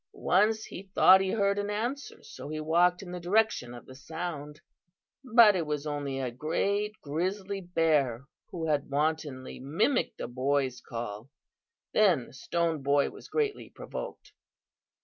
Once he thought he heard an answer, so he walked in the direction of the sound. But it was only a great grizzly bear who had wantonly mimicked the boy's call. Then Stone Boy was greatly provoked.